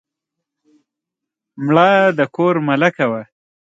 مړه د کور ملکه وه